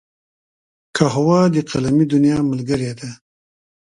قهوه د قلمي دنیا ملګرې ده